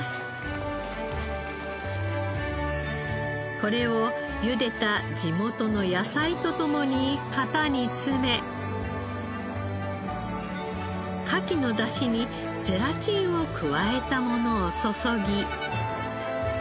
これをゆでた地元の野菜と共に型に詰めカキのだしにゼラチンを加えたものを注ぎ。